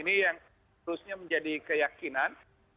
ini yang harusnya menjadi keyakinan